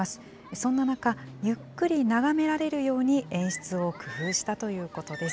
そんな中、ゆっくり眺められるように演出を工夫したということです。